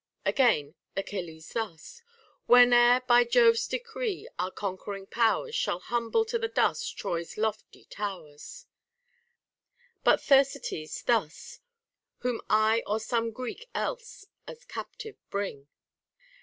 75 Again, Achilles thus :— Whene'er, by Jove's decree, our conquering powers Shall humble to the dust Troy's lofty towers ; but Thersites thus :— Whom I or some Greek else as captive bring.